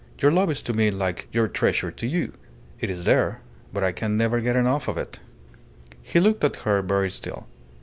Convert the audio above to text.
Your love is to me like your treasure to you. It is there, but I can never get enough of it." He looked at her very still.